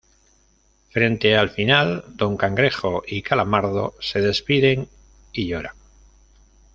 Frente al final, Don Cangrejo y Calamardo se despiden y lloran.